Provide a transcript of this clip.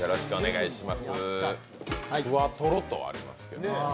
ふわとろとありますけど。